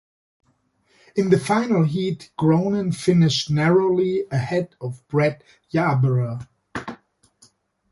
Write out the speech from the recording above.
In the final heat, Gronen finished narrowly ahead of Bret Yarborough.